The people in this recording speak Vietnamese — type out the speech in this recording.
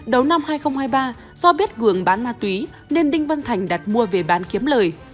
đầu năm hai nghìn hai mươi ba do biết cường bán ma túy nên đinh văn thành đặt mua về bán kiếm lời